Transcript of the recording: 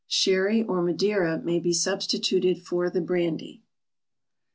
Sherry or Madeira may be substituted for the brandy.